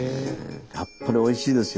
やっぱりおいしいですよ。